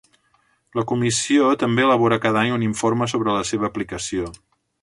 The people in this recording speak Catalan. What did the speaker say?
La Comissió també elabora cada any un informe sobre la seva aplicació.